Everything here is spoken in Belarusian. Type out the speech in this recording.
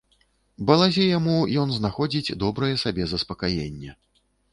Балазе яму, ён знаходзіць добрае сабе заспакаенне.